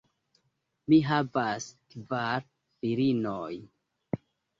Mi havas kvar filinojn.